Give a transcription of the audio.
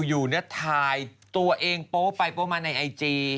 อยู่เนี่ยถ่ายตัวเองโป๊ไปโป๊มาในไอจี